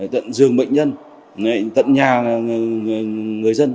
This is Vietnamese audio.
tận giường bệnh nhân tận nhà người dân